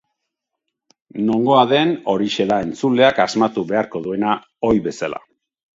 Nongoa den, horixe da entzuleak asmatu beharko duena, ohi bezala.